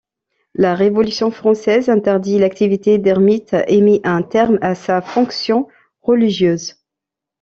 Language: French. La Révolution française interdit l'activité d'ermite et mit un terme à sa fonction religieuse.